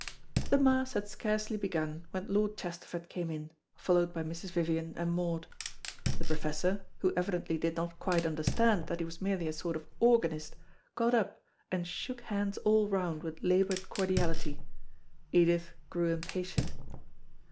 The Mass had scarcely begun when Lord Chesterford came in, followed by Mrs. Vivian and Maud. The Professor, who evidently did not quite understand that he was merely a sort of organist, got up and shook hands all round with laboured cordiality. Edith grew impatient.